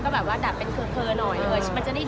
มาตลอดชีวิตไม่เคยทำสีผม